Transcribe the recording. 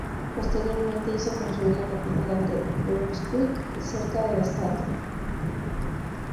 Posteriormente hizo construir la catedral de Brunswick cerca de la estatua.